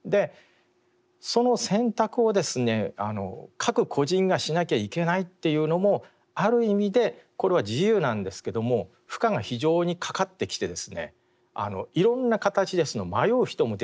各個人がしなきゃいけないっていうのもある意味でこれは自由なんですけども負荷が非常にかかってきてですねいろんな形で迷う人も出てくる。